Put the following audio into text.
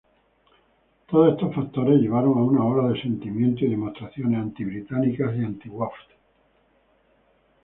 Todos estos factores llevaron a una ola de sentimiento y demostraciones anti-británicas y anti-Wafd.